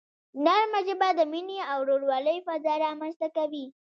نرمه ژبه د مینې او ورورولۍ فضا رامنځته کوي.